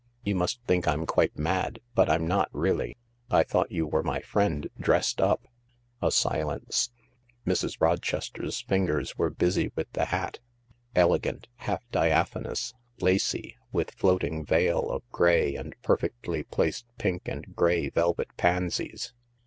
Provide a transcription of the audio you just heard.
" You must think I'm quite mad, but I'm not, really. I thought you were my friend, dressed up." A silence. Mrs. Rochester's fingers were busy with the hat— elegant, half diaphanous, lacy, with floating veil of grey and perfectly placed pink and grey velvet pansies.